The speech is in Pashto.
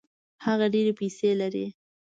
هغه ډېري پیسې لري.